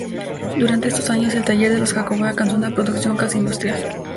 Durante estos años el taller de los Jacob alcanzó una producción casi industrial.